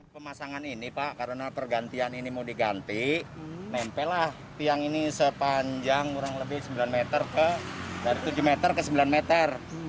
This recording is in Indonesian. pemasangan ini pak karena pergantian ini mau diganti nempellah tiang ini sepanjang kurang lebih sembilan meter dari tujuh meter ke sembilan meter